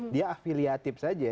dia afiliatif saja